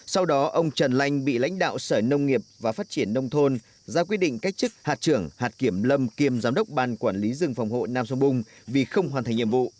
sau đó ông trần lanh bị lãnh đạo sở nông nghiệp và phát triển nông thôn ra quyết định cách chức hạt trưởng hạt kiểm lâm kiêm giám đốc ban quản lý rừng phòng hộ nam sông bung vì không hoàn thành nhiệm vụ